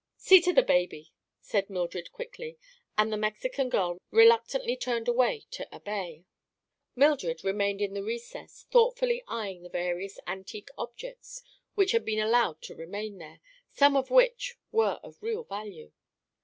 "See to the baby," said Mildred quickly, and the Mexican girl reluctantly turned away to obey. Mildred remained in the recess, thoughtfully eyeing the various antique objects which had been allowed to remain there, some of which were of real value.